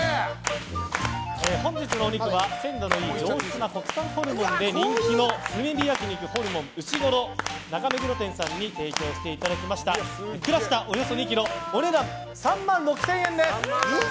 本日のお肉は、鮮度のいい上質な国産ホルモンで人気の炭火焼肉ホルモンうしごろ中目黒店さんに提供していただいたクラシタ、およそ２ｋｇお値段３万６０００円です。